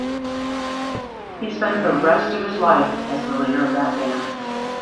He spent the rest of his life as the leader of that band.